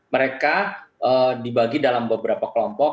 mereka dibagi dalam beberapa kelompok